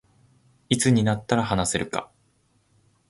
いつになったら話せるか